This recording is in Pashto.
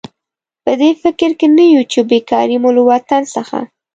په دې فکر کې نه یو چې بېکاري مو له وطن څخه.